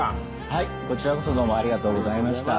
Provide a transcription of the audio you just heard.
はいこちらこそどうもありがとうございました。